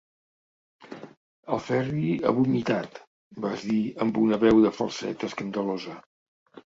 El Ferri ha vomitat –vas dir amb una veu de falset escandalosa.